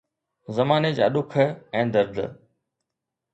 زماني جا ڏک ۽ درد